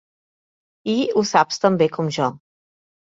I ho saps tan bé com jo.